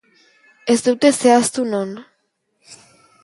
Ez dute zehaztu non.